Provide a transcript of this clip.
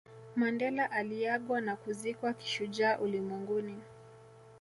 Mandela aliagwa na kuzikwa kishujaa ulimwenguni